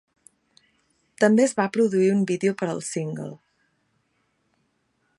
També es va produir un vídeo per al single.